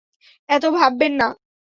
এত ভাববেন না।